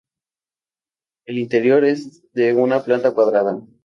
El interior es de planta cuadrada.